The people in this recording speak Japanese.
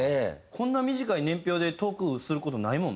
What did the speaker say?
こんな短い年表でトークする事ないもんな。